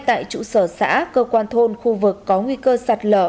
tại trụ sở xã cơ quan thôn khu vực có nguy cơ sạt lở